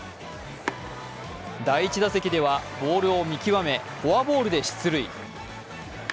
第１打席ではボールを見極めフォアボールで出塁。